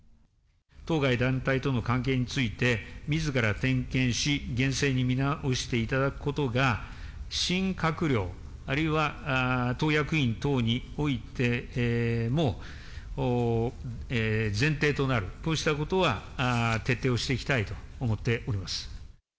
当該団体との関係について、みずから点検し、厳正に見直していただくことが、新閣僚あるいは党役員等においても、前提となる、こうしたことは徹底をしていきたいと思っております。